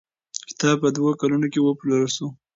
کتاب په دوو کلونو کې وپلورل شو.